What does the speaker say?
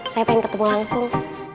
saya pengen ketemu langsung